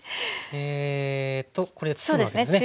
えっとこれを包むわけですね。